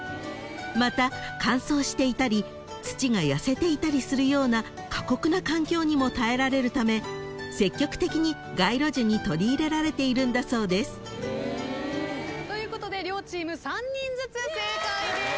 ［また乾燥していたり土が痩せていたりするような過酷な環境にも耐えられるため積極的に街路樹に取り入れられているんだそうです］ということで両チーム３人ずつ正解です。